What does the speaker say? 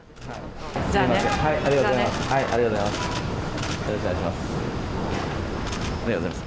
ありがとうございます。